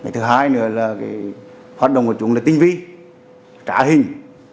thứ hai nữa là hoạt động của chúng là tinh vi trả hình